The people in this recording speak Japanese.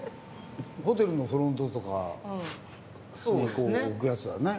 ホテルのフロントとかにこう置くやつだね。